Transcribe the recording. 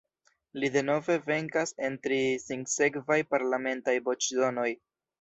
Li denove venkas en tri sinsekvaj parlamentaj voĉdonoj.